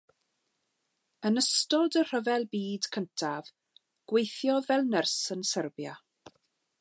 Yn ystod y Rhyfel Byd Cyntaf gweithiodd fel nyrs yn Serbia.